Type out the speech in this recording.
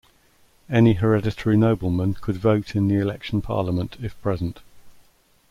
Any hereditary nobleman could vote in the Election Parliament, if present.